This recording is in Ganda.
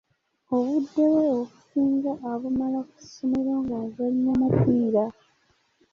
Obudde bwe obusinga abumala ku ssomero ng'azannya mupiira.